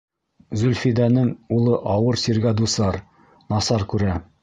Зөлфидәнең улы ауыр сиргә дусар, насар күрә.